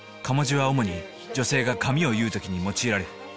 かもじは主に女性が髪を結う時に用いられる。